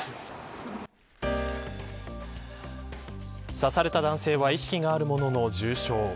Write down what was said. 刺された男性は意識があるものの重傷。